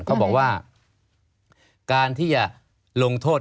เขาบอกว่าการที่จะลงโทษ